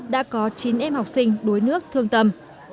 đã có chín em học sinh đuối nước thương tâm